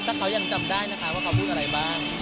ถ้าเขายังจำได้นะคะว่าเขาพูดอะไรบ้าง